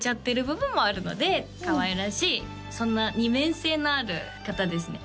部分もあるのでかわいらしいそんな二面性のある方ですね